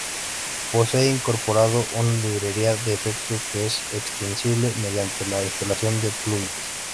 Posee incorporado una librería de efectos, que es extensible mediante la instalación de "plugins".